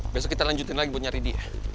besok kita lanjutin lagi buat nyari d